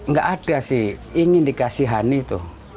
gak ada sih ingin dikasihani tuh